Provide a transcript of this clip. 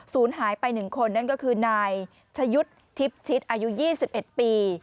สูญหายไป๑คนนั่นก็คือนายชายุทธิบทิศอายุ๒๑ปี